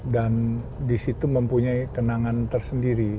dan di situ mempunyai kenangan tersendiri